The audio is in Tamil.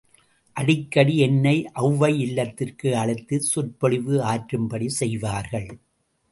அடிக்கடி என்னை ஒளவை இல்லத்திற்கு அழைத்து சொற்பொழிவு ஆற்றும்படி செய்வார்கள்.